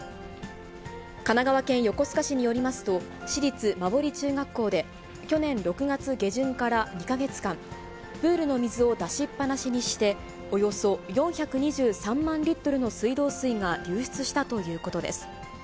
神奈川県横須賀市によりますと、市立馬堀中学校で、去年６月下旬から２か月間、プールの水を出しっ放しにして、およそ４２３万リットルの水道水が流出したということです。